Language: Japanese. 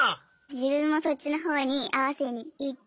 自分もそっちの方に合わせにいって。